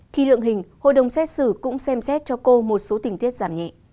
khi lượng hình hội đồng xét xử cũng xem xét cho cô một số tình tiết giảm nhẹ